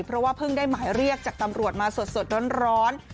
เพราะว่าเพิ่งได้หมายเรียกจากตำรวจมาสดร้อน